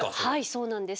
そうなんです。